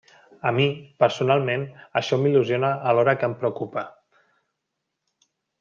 A mi, personalment, això m'il·lusiona alhora que em preocupa.